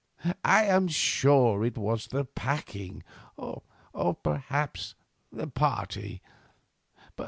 I am sure it was the packing, or, perhaps, the party.